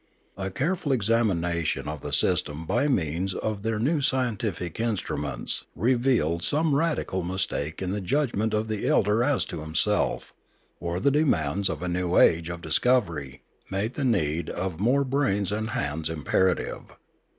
A careful examination of the system by means of their new scientific instru ments revealed some radical mistake in the judgment of the elder as to himself, or the demands of a new age of discovery made the need of more brains and hands imperative.